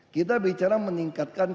kita bicara meningkatkan kualitas